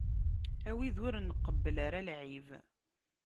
A wid ur nqebbel ara lɛib.